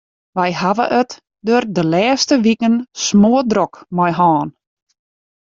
Wy hawwe it der de lêste wiken smoardrok mei hân.